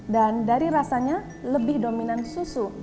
dari rasanya lebih dominan susu